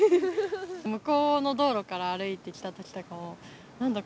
向こうの道路から歩いてきたときとかも、なんだ？